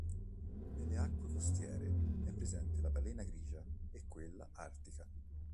Nelle acque costiere è presente la balena grigia e quella artica.